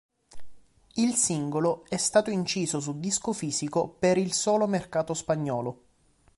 Il singolo è stato inciso su disco fisico per il solo mercato spagnolo.